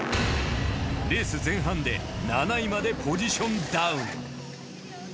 レース前半で７位までポジションダウン。